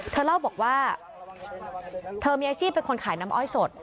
เธอเล่าบอกว่าเธอมีอาชีพเป็นคนขายน้ำอ้อยสด